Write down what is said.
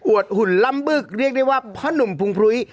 หุ่นล่ำบึกเรียกได้ว่าพ่อหนุ่มพุงพลุ้ย